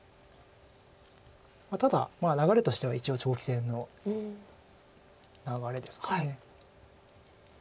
ただ流れとしては一応長期戦の流れですか。